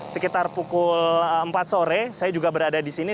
sekitar pukul empat sore saya juga berada di sini